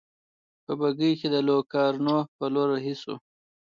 په بګۍ کې د لوکارنو په لور رهي شوو.